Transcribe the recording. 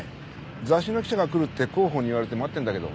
雑誌の記者が来るって広報に言われて待ってんだけど。